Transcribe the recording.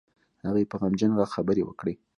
هغې په غمجن غږ خبرې وکړې.